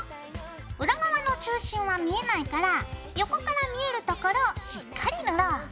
裏側の中心は見えないから横から見えるところをしっかり塗ろう。